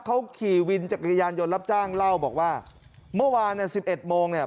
เขาขี่วินจักรยานยนต์รับจ้างเล่าบอกว่าเมื่อวานเนี่ยสิบเอ็ดโมงเนี่ย